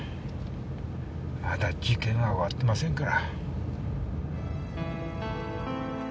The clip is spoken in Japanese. まだ事件は終わってませんから。